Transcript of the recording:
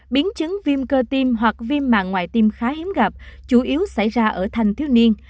biến chứng viêm cơ tim hoặc viêm mạng ngoại tiêm khá hiếm gặp chủ yếu xảy ra ở thanh thiếu niên